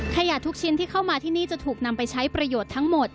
ขยะทุกชิ้นที่เข้ามาที่นี่จะถูกนำไปใช้ประโยชน์ทั้งหมด